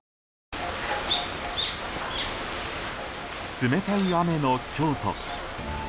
冷たい雨の京都。